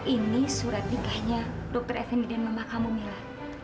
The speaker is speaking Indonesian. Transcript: ini surat nikahnya dokter effendy dan mama kamu mila